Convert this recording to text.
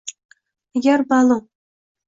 agar ma’lum